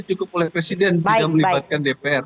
cukup oleh presiden tidak melibatkan dpr